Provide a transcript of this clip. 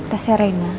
tes ya reina